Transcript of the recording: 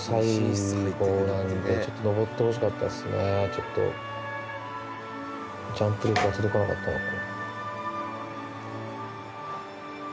ちょっとジャンプ力が届かなかったのか。